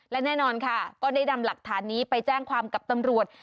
และแน่นอนค่ะก็ได้นำหลักฐานนี้ไปแจ้งความกับตำรวจ